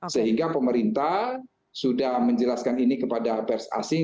sehingga pemerintah sudah menjelaskan ini kepada pers asing